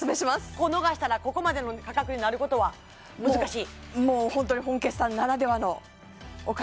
ここ逃したらここまでの価格になることは難しい？